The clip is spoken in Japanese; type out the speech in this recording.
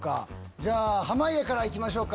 じゃあ濱家から行きましょうか。